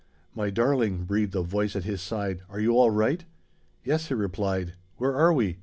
"My darling!" breathed a voice at his side. "Are you all right?" "Yes," he replied. "Where are we?